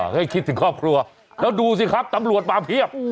ให้คิดถึงครอบครัวแล้วดูสิครับตำรวจมาเพียบ